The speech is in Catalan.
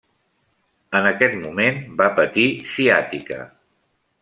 En aquest moment va patir ciàtica.